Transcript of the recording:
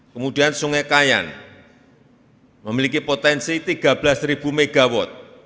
kemudian sungai kayan memiliki potensi tiga belas mw